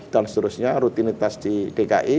dan seterusnya rutinitas di dki